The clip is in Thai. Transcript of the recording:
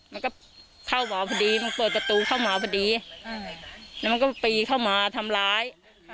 มันก็เข้าหมอพอดีมันเปิดประตูเข้ามาพอดีแล้วมันก็ปีเข้ามาทำร้าย